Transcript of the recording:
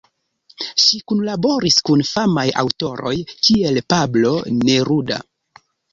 Ŝi kunlaboris kun famaj aŭtoroj kiel Pablo Neruda.